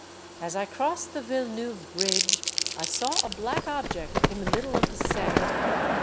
" As I crossed the Villeneuve bridge I saw a black object in the middle of the Seine.